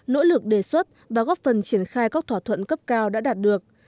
nỗ lực đề xuất và góp phần triển khai các thỏa thuận cấp cao đã đạt được